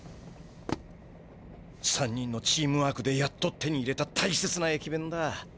３人のチームワークでやっと手に入れた大切な駅弁だ。